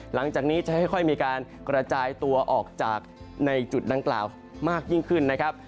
หลังจากนี้จะค่อยมีการกระจายตัวออกจากในจุดดังกล่าวมากยิ่งขึ้นนะครับ